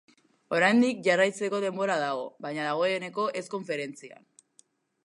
Oraindik jarraitzeko denbora dago, baina dagoeneko ez konferentzian.